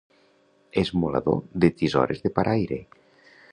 Esmolador de tisores de paraire.